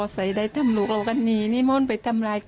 เบอร์ลูอยู่แบบนี้มั้งเยอะมาก